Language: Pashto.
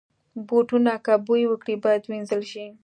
بوټونه که بوی وکړي، باید وینځل شي.